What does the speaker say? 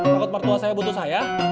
takut mertua saya butuh saya